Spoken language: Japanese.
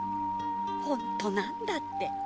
本当なんだって。